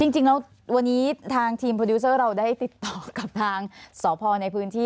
จริงแล้ววันนี้ทางทีมโปรดิวเซอร์เราได้ติดต่อกับทางสพในพื้นที่